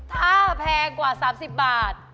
ถ้าแพงกว่า๓๐บาท